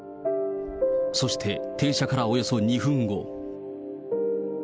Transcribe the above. そして停車からおよそ２分後。